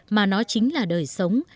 mà nó chính là đời sống